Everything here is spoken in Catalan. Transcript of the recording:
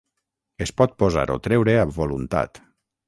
Es pot posar o treure a voluntat.